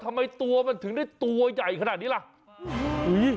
ทำไมตัวมันถึงได้ตัวใหญ่ขนาดนี้ล่ะ